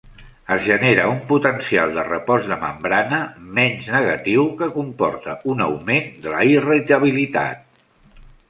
Es genera un potencial de repòs de membrana menys negatiu, que comporta un augment de la irritabilitat.